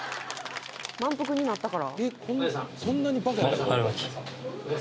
満腹になったから？